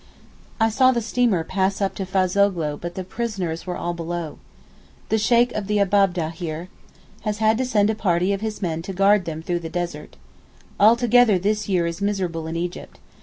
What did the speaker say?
I saw the steamer pass up to Fazoghlou but the prisoners were all below. The Sheykh of the Abab'deh here has had to send a party of his men to guard them through the desert. Altogether this year is miserable in Egypt.